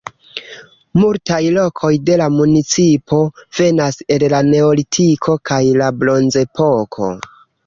Multaj lokoj de la municipo venas el la Neolitiko kaj la Bronzepoko.